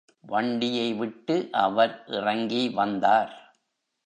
வண்டியை விட்டு அவர் இறங்கி வந்தார்.